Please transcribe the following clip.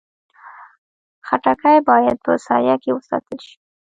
خټکی باید په سایه کې وساتل شي.